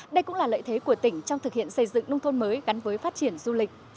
đây cũng là lợi thế của tỉnh trong thực hiện xây dựng nông thôn mới gắn với phát triển du lịch